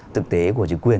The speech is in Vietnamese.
thực tế của trí quyền